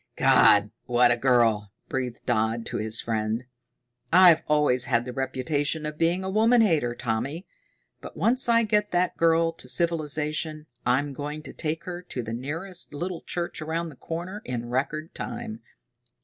"God, what a girl!" breathed Dodd to his friend. "I've always had the reputation of being a woman hater, Tommy, but once I get that girl to civilization I'm going to take her to the nearest Little Church Around the Corner in record time."